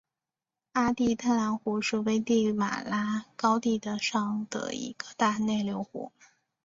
阿蒂特兰湖是危地马拉高地上的一个大内流湖。